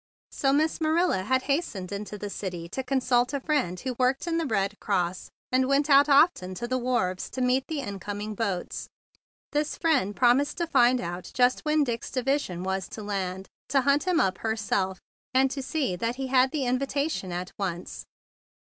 So Miss Marilla had hastened into the city to consult a friend who worked in the Red Cross and went out often to the THE BIG BLUE SOLDIER 11 wharves to meet the incoming boats. This friend promised to find out just when Dick's division was to land, to hunt him up herself, and to see that he had the invitation at once.